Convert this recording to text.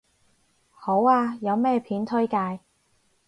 好啊，有咩片推介